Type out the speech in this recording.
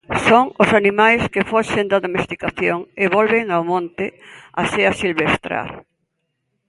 Son os animais que foxen da domesticación e volven ao monte a se asilvestrar.